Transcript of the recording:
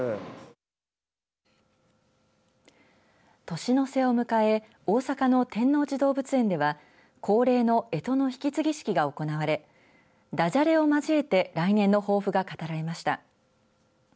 年の瀬を迎え大阪の天王寺動物園では恒例のえとの引き継ぎ式が行われだじゃれを交えて来年の抱負が語られました。